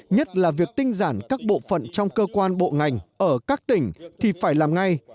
nhất là việc tinh giản các bộ phận trong cơ quan bộ ngành ở các tỉnh thì phải làm ngay